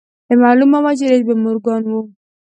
معلومه وه چې رييس به مورګان و.